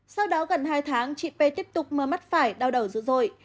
sau đó gần hai tháng chị p tiếp tục mơ mắt phải đau đầu dữ dội